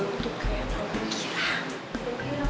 tidak perlu ngobrol